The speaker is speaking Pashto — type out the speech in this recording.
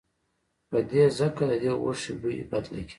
په ده ځکه ددې غوښې بوی بد لګي.